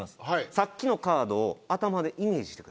さっきのカードを頭でイメージしてください。